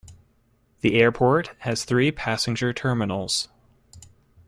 The airport has three passenger terminals.